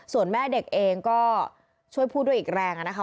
ส่วนแม่เด็กเองก็ช่วยพูดด้วยอีกแรงนะคะ